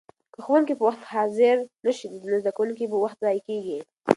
که ښوونکي په وخت حاضر نه شي نو د زده کوونکو وخت ضایع کېږي.